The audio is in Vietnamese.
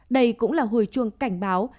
đây cũng là hồi chuông cảnh báo